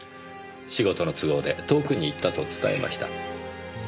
仕事の都合で遠くに行ったと伝えました。